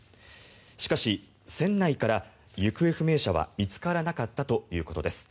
しかし、船内から行方不明者は見つからなかったということです。